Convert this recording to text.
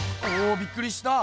びっくりした。